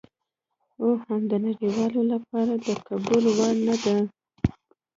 او هم د نړیوالو لپاره د قبول وړ نه ده.